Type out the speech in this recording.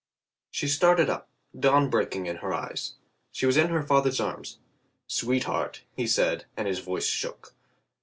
She started up, dawn breaking in her eyes. She was in her father's arms. "Sweet heart," he said, and his voice shook.